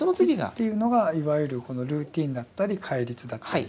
「律」っていうのがいわゆるルーティンだったり戒律だったり。